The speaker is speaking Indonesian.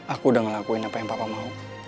aku udah ngelakuin apa yang papa mau